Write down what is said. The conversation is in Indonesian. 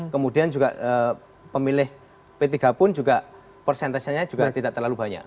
kemudian juga pemilih p tiga pun juga persentasenya juga tidak terlalu banyak